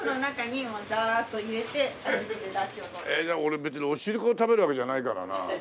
え俺別におしるこ食べるわけじゃないからな。